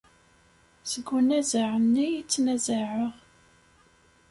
Seg unazaɛ nni i ttnazaɛeɣ.